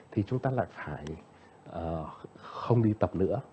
thì chúng ta lại phải không đi tập nữa